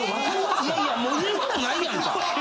いやいやもう入れるとこないやんか。